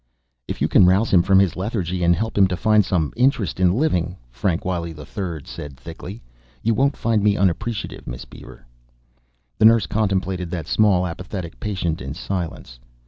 "If you can rouse him from this lethargy and help him find some interest in living," Frank Wiley III said thickly, "you won't find me unappreciative, Miss Beaver." The nurse contemplated that small, apathetic patient in silence.